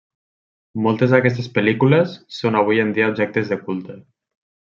Moltes d'aquestes pel·lícules són avui en dia objectes de culte.